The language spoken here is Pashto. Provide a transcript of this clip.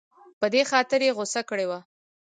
په دې خاطر یې غوسه کړې وه.